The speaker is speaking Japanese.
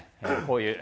こういう。